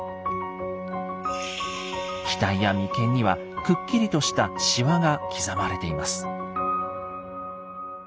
額や眉間にはくっきりとしたしわが刻まれています。